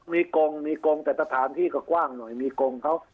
มีกลงมีกลงแต่ตรฐานที่ก็กว้างหน่อยมีกลงครับ